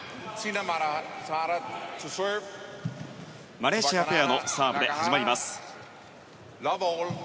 マレーシアペアのサーブで始まります。